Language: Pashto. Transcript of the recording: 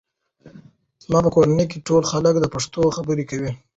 زما په کورنۍ کې ټول خلک پښتو خبرې کوي.